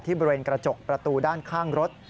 บริเวณกระจกประตูด้านข้างรถ